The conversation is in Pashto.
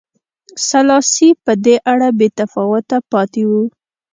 سلاسي په دې اړه بې تفاوته پاتې و.